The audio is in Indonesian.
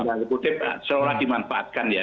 seolah olah dimanfaatkan ya